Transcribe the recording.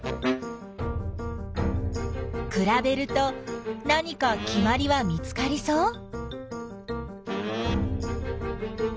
くらべると何かきまりは見つかりそう？